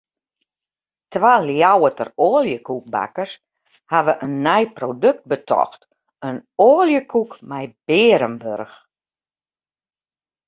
Twa Ljouwerter oaljekoekbakkers hawwe in nij produkt betocht: in oaljekoek mei bearenburch.